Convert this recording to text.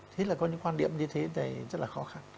thế là có những quan điểm như thế thì rất là khó khăn